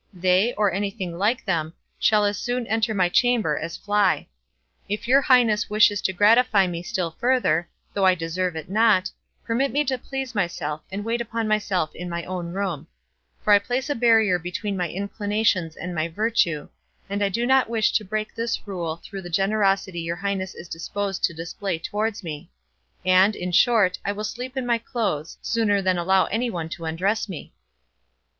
They, or anything like them, shall as soon enter my chamber as fly. If your highness wishes to gratify me still further, though I deserve it not, permit me to please myself, and wait upon myself in my own room; for I place a barrier between my inclinations and my virtue, and I do not wish to break this rule through the generosity your highness is disposed to display towards me; and, in short, I will sleep in my clothes, sooner than allow anyone to undress me."